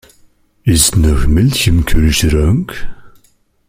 Ist noch Milch im Kühlschrank?